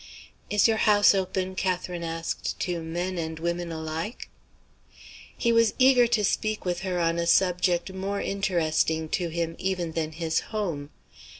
"Is your house open," Catherine asked, "to men and women alike?" He was eager to speak with her on a subject more interesting to him even than his Home.